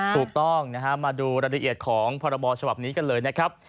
ถูกต้องนะฮะมาดูรายละเอียดของพรบฉบับนี้กันเลยนะครับ